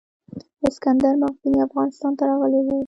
اسکندر مقدوني افغانستان ته راغلی و